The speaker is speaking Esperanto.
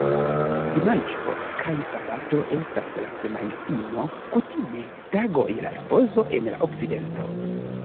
Dimanĉo kaj sabato estas la "semajnfino", kutime tagoj de ripozo en la Okcidento.